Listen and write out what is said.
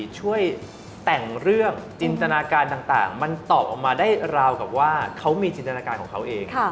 ช่วยแต่งเรื่องจินตนาการต่างมันตอบออกมาได้ราวกับว่าเขามีจินตนาการของเขาเอง